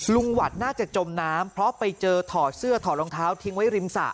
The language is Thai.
หวัดน่าจะจมน้ำเพราะไปเจอถอดเสื้อถอดรองเท้าทิ้งไว้ริมสระ